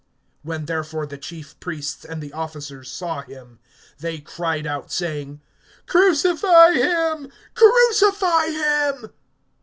(6)When therefore the chief priests and the officers saw him, they cried out, saying: Crucify him, crucify him.